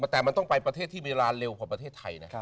แต่มันต้องไปประเทศที่เวลาเร็วกว่าประเทศไทยนะ